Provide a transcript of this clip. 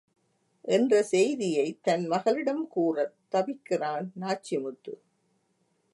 என்ற செய்தியைத் தன் மகளிடம் கூறத் தவிக்கிறான் நாச்சிமுத்து.